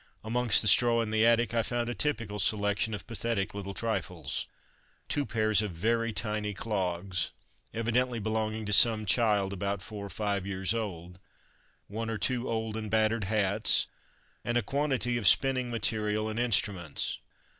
Amongst the straw in the attic I found a typical selection of pathetic little trifles: two pairs of very tiny clogs, evidently belonging to some child about four or five years old, one or two old and battered hats, and a quantity of spinning material and instruments.